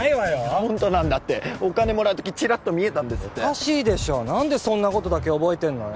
ホントなんだってお金もらう時チラッと見えたんですっておかしいでしょ何でそんなことだけ覚えてんのよ